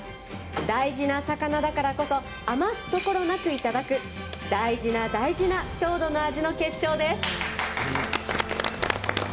大事な魚だからこそ余すところなくいただく大事な大事な郷土の味の結晶です。